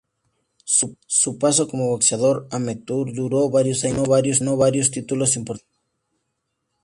Su paso como boxeador amateur duró varios años y ganó varios títulos importantes.